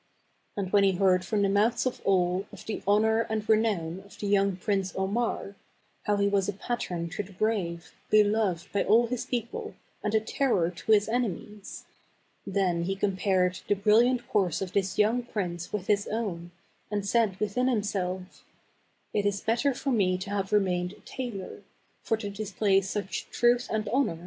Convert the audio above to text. And when he heard from the mouths of all of the honor and renown of the young prince Omar — how he was a pattern to the brave, beloved by all his people, and a terror to his enemies — then he compared the brilliant course of this young prince with his own, and said within himself, "It is better for me to have remained a tailor; for to display such ' Truth and Honor